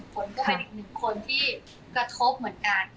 ฝนก็เป็นอีกหนึ่งคนที่กระทบเหมือนกัน